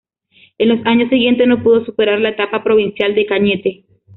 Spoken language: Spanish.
En los años siguientes no pudo superar la Etapa Provincial de Cañete.